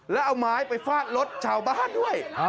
แล้วเอาไม้ไปฟาดรถชาวบ้านด้วย